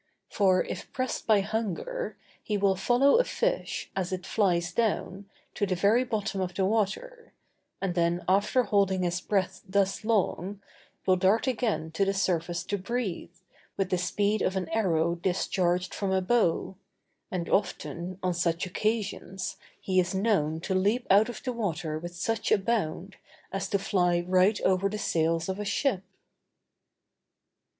For, if pressed by hunger, he will follow a fish, as it flies down, to the very bottom of the water, and then after holding his breath thus long, will dart again to the surface to breathe, with the speed of an arrow discharged from a bow; and often, on such occasions, he is known to leap out of the water with such a bound, as to fly right over the sails of a ship.